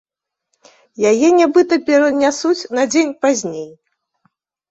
Яе нібыта перанясуць на дзень пазней.